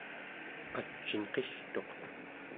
ac'inqigtuq